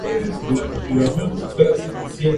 Un metaanálisis publicado por Reichenbach "et al".